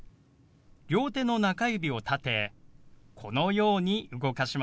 両手の中指を立てこのように動かします。